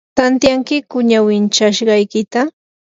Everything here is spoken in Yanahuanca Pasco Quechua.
¿tantyankiyku ñawinchashqaykita?